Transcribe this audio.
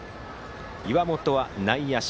岩本は内野手。